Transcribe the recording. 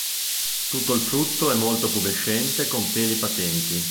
Tutto il frutto è molto pubescente con peli patenti.